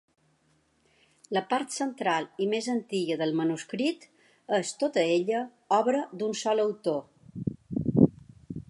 La part central i més antiga del manuscrit és tota ella obra d'un sol autor.